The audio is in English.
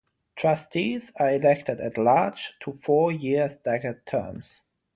Trustees are elected at-large to four-year staggered terms.